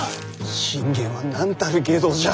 信玄はなんたる外道じゃ。